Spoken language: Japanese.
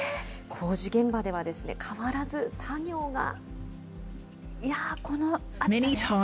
工事現場では、変わらず作業が。